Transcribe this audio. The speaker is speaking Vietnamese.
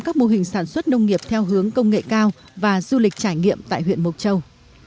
các mô hình sản xuất nông nghiệp theo hướng công nghệ cao và du lịch trải nghiệm tại huyện mộc châu